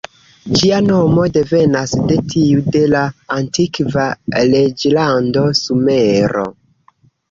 Ĝia nomo devenas de tiu de la antikva reĝlando Sumero.